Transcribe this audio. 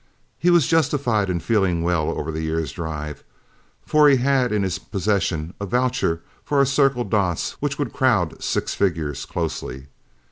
He was justified in feeling well over the year's drive, for he had in his possession a voucher for our Circle Dots which would crowd six figures closely.